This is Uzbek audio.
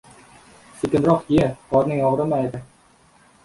• Sekinroq ye — qorning og‘rimaydi.